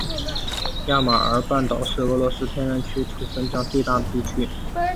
亚马尔半岛是俄罗斯天然气储量最大的地区。